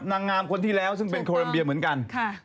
นางงามคนที่แล้วซึ่งเป็นโคลัมเบียเหมือนกัน